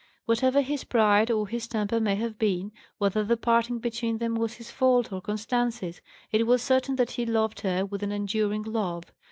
Whatever his pride or his temper may have been, whether the parting between them was his fault or Constance's, it was certain that he loved her with an enduring love.